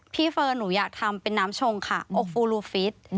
เฟิร์นหนูอยากทำเป็นน้ำชงค่ะโอฟูลูฟิศ